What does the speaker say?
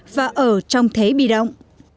và ở trong thế bị động